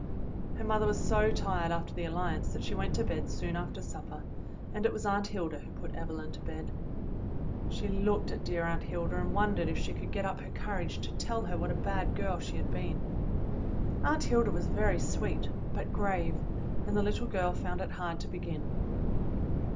^ Her mother was so tired after the Alliance that she went to bed soon after supper, and it was Aunt Hilda who put Evelyn to bed. She looked at dear Aunt Hilda and wondered if she could get up her courage to tell her what a bad girl she had been. Aunt Hilda was very sweet, but grave, and the little girl found it hard to begin.